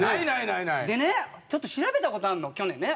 でねちょっと調べた事あるの去年ね。